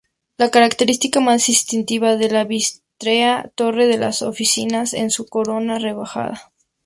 La característica más distintiva de la vítrea torre de oficinas es su corona rebajada.